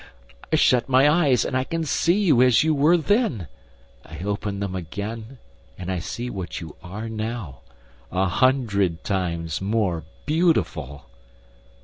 I shut my eyes, and I can see you as you then were; I open them again, and I see what you are now—a hundred times more beautiful!"